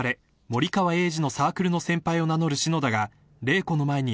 森川栄治のサークルの先輩を名乗る篠田が麗子の前に現れる］